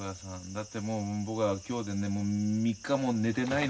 だってもう僕は今日で３日も寝てないんだから。